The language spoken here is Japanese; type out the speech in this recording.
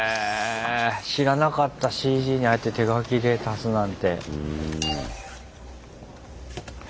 知らなかったＣＧにああやって手描きで足すなんて。